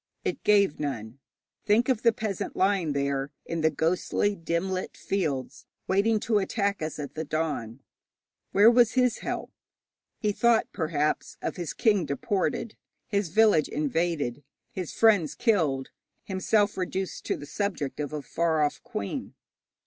It gave none. Think of the peasant lying there in the ghostly dim lit fields waiting to attack us at the dawn. Where was his help? He thought, perhaps, of his king deported, his village invaded, his friends killed, himself reduced to the subject of a far off queen.